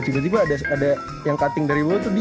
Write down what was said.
tiba tiba ada yang cutting dari bola tuh dia